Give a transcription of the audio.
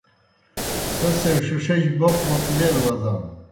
سہ سے ݜِݜِجیْ بَوْق بَوْق لیل وزانوْ۔